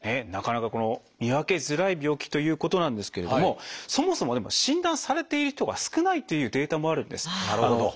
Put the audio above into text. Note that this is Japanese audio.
なかなか見分けづらい病気ということなんですけれどもそもそも診断されている人が少ないというデータもあるんです。